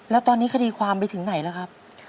แล้วตอนนี้คดีความไปถึงไหนแล้วครับ